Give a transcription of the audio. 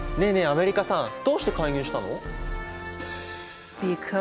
アメリカさんどうして介入したの？